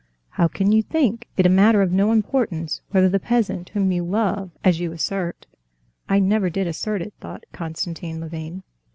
How can you think it a matter of no importance whether the peasant, whom you love as you assert...." "I never did assert it," thought Konstantin Levin.